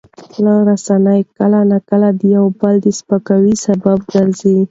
خواله رسنۍ کله ناکله د یو بل د سپکاوي سبب ګرځي.